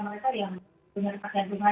kalau harga yang akan mulai